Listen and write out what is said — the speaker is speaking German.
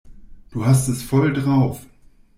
Du hast es voll drauf.